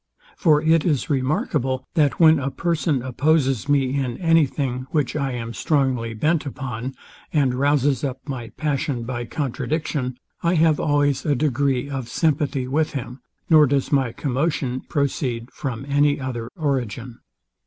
For it is remarkable, that when a person opposes me in any thing, which I am strongly bent upon, and rouzes up my passion by contradiction, I have always a degree of sympathy with him, nor does my commotion proceed from any other origin.